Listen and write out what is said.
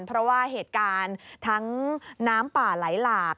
เพราะว่าเหตุการณ์ทั้งน้ำป่าไหลหลาก